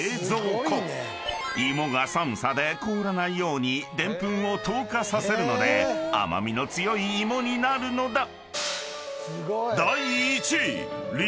［芋が寒さで凍らないようにデンプンを糖化させるので甘味の強い芋になるのだ］